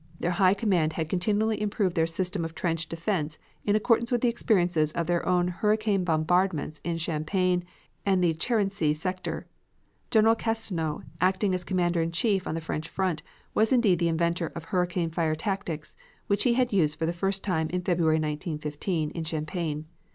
Their High Command had continually improved their system of trench defense in accordance with the experiences of their own hurricane bombardments in Champagne and the Carency sector. General Castelnau, the acting Commander in Chief on the French front, was indeed the inventor of hurricane fire tactics, which he had used for the first time in February, 1915, in Champagne.